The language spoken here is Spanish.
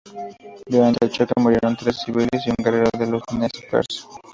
Durante el choque, murieron tres civiles y un guerrero de los Nez Perce.